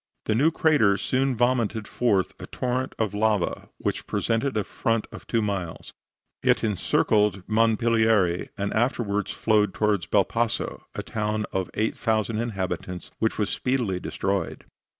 The new crater soon vomited forth a torrent of lava which presented a front of two miles; it encircled Monpilieri, and afterward flowed towards Belpasso, a town of 8,000 inhabitants, which was speedily destroyed.